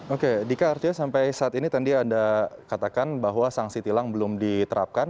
oke dika artinya sampai saat ini tadi anda katakan bahwa sanksi tilang belum diterapkan